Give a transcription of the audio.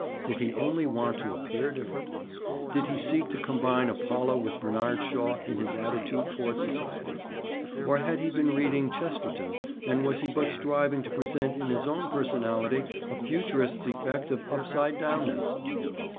Did he only want to appear different? Did he seek to combine Apollo with Bernard Shaw in his attitude toward society? Or had he been reading Chesterton and was he but striving to present in his own personality a futurist's effect of upside downness?